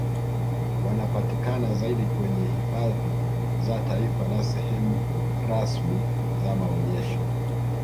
Wanapatikana zaidi kwenye hifadhi za taifa na sehemu rasmi za maonyesho